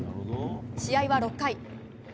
試合は６回。